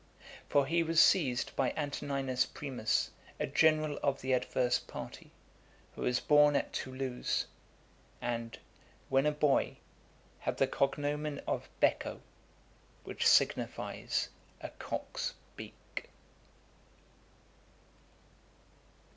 For he was seized by Antoninus Primus, a general of the adverse party, who was born at Toulouse, and, when a boy, had the cognomen of Becco , which signifies a cock's beak.